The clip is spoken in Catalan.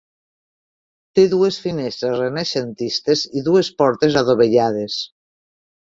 Té dues finestres renaixentistes i dues portes adovellades.